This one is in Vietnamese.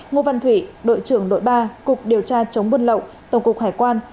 ngô văn thủy đội trưởng đội ba cục điều tra chống buôn lậu tổng cục hải quan